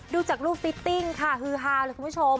ดูจากรูปฟิตติ้งค่ะฮือฮาเลยคุณผู้ชม